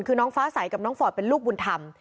คือน้องฟ้าใสกับน้องฟอร์ดเป็นลูกบุญธรรม